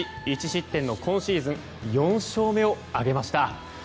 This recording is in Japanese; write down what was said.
１失点の、今シーズン４勝目を挙げました。